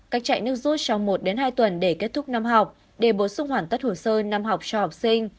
các chạy nước rút trong một hai tuần để kết thúc năm học để bổ sung hoàn tất hồ sơ năm học cho học sinh